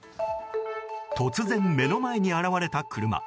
突然、目の前に現れた車。